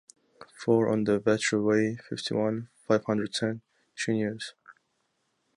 four on de Vatry way, fifty-one, five hundred ten, Cheniers